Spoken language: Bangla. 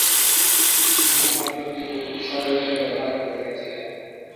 তিনিও আমার প্রতি খুব সহৃদয় ব্যবহার করিয়াছিলেন।